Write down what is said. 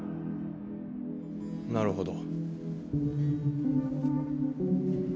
なるほど。